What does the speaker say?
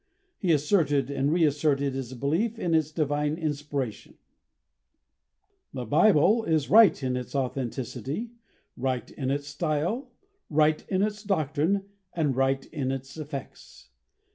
He asserted and reasserted his belief in its divine inspiration: "The Bible is right in its authenticity, right in its style, right in its doctrine, and right in its effects.